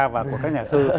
và của các nhà thư